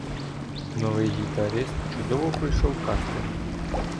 Новий гітарист чудово пройшов кастинг